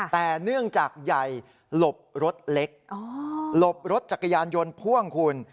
แต่เนื่องจากใหญ่หลบรถเล็กหลบรถจักรยานยนต์พ่วงคุณ